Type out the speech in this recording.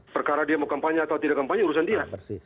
perkara dia mau kampanye atau tidak kampanye urusan dia